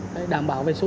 để đảm bảo về số